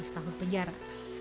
lima belas tahun penjara